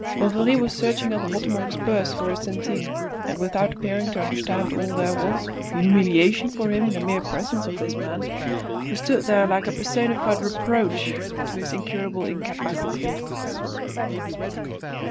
Bovary was searching at the bottom of his purse for a centime, and without appearing to understand all there was of humiliation for him in the mere presence of this man, who stood there like a personified reproach to his incurable incapacity.